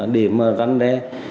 để mà rắn đe